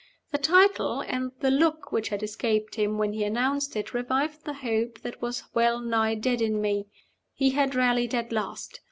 The title, and the look which had escaped him when he announced it, revived the hope that was well nigh dead in me. He had rallied at last.